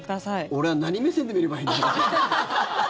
俺は何目線で見ればいいの？